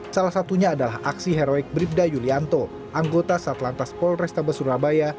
salah satunya adalah aksi heroik bribda yulianto anggota satlantas polrestabes surabaya